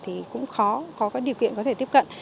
thì cũng khó có điều kiện có thể tiếp cận